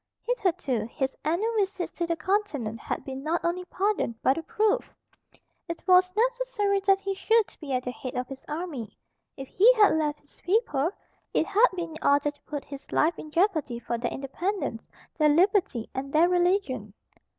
Hitherto his annual visits to the Continent had been not only pardoned but approved. It was necessary that he should be at the head of his army. If he had left his people, it had been in order to put his life in jeopardy for their independence, their liberty, and their religion.